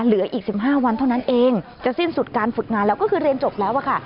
เหลืออีก๑๕วันเท่านั้นเองจะสิ้นสุดการฝึกงานแล้วก็คือเรียนจบแล้วอะค่ะ